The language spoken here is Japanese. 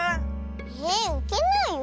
えうけなよ。